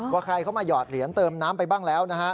ว่าใครเข้ามาหยอดเหรียญเติมน้ำไปบ้างแล้วนะฮะ